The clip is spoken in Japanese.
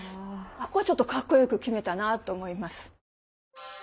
ここはちょっとかっこよく決めたなあと思います。